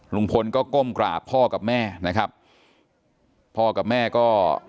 ลุงพลก็ก้มกราบพ่อกับแม่นะครับพ่อกับแม่ก็